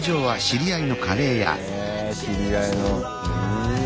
へぇ知り合いの。